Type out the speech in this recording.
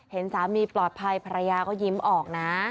เห็นสามีปลอดภัยภรรยาก็ยิ้มออกนะ